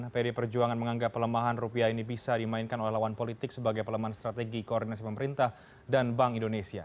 pd perjuangan menganggap pelemahan rupiah ini bisa dimainkan oleh lawan politik sebagai pelemahan strategi koordinasi pemerintah dan bank indonesia